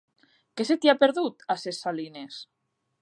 Què se t'hi ha perdut, a Ses Salines?